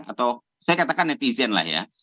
atau saya katakan netizen lah ya